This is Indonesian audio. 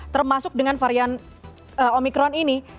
termasuk dengan varian omikron ini